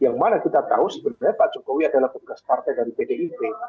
yang mana kita tahu sebenarnya pak jokowi adalah petugas partai dari pdip